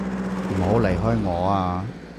唔好離開我啊！